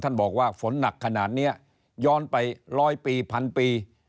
บอกว่าฝนหนักขนาดนี้ย้อนไปร้อยปีพันปี